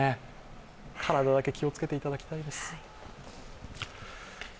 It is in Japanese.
体だけ気をつけていただきたいです。